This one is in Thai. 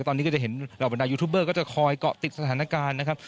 ตอนนี้ก็จะเห็นเหล่าบรรดายูทูบเบอร์ก็จะคอยเกาะติดสถานการณ์นะครับ